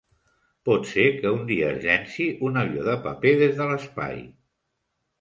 Pot ser que un dia es llanci un avió de paper des de l'espai.